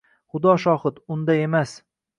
Xudo shohid, unday emas